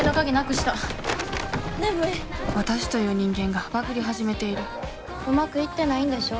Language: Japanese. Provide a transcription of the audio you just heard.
私という人間がバグり始めているうまくいってないんでしょ？